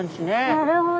なるほど。